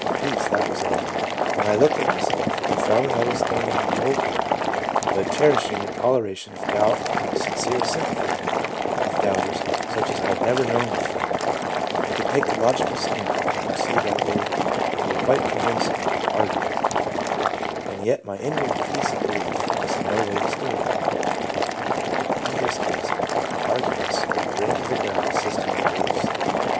Peace, that was all When I looked at my self, I found that I was standing on the old ground, but cher ishing a toleration of doubt and a sincere sympathy with doubters such as I had never known before I could take the logical standpoint, and could see that they were quite convincing [the arguments], and yet my inward peace of belief was in no way disturbed." .. In this case, arguments bring to the ground a system of beliefs.